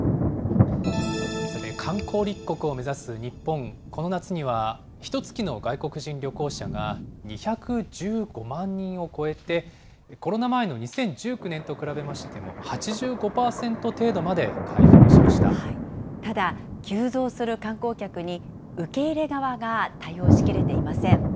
さて、観光立国を目指す日本、この夏にはひとつきの外国人旅行者が２１５万人を超えて、コロナ前の２０１９年と比べましても、８５％程度まで回復しましただ、急増する観光客に受け入れ側が対応しきれていません。